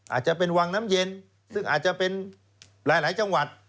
อาจจะเป็นวังน้ำเย็นซึ่งอาจจะเป็นหลายจังหวัด